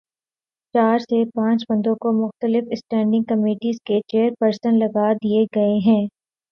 چار سے پانچ بندوں کو مختلف اسٹینڈنگ کمیٹیز کے چیئر پرسن لگادیے گئے ہیں۔